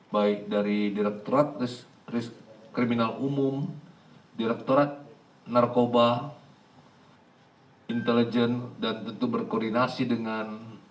baik dari direkturat kriminal umum direkturat narkoba intelijen dan tentu berkoordinasi dengan